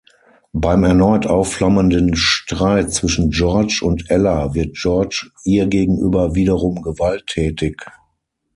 Beim erneut aufflammenden Streit zwischen George und Ella wird George ihr gegenüber wiederum gewalttätig.